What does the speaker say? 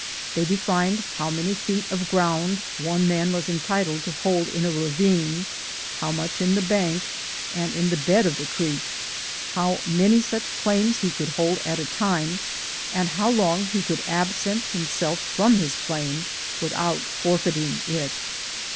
They defined how many feet of ground one man was entitled to hold in a ravine — how much in the bank, and in the bed of the creek; how many such claims he could hold at a time; and how long he could absent himself from his claim with out forfeiting it.